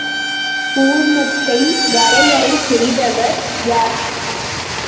கூழ்மத்தை வரையறை செய்தவர் யார்?